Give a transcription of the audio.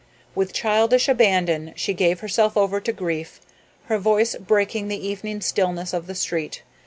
With childish abandon she gave herself over to grief, her voice breaking the evening stillness of the street.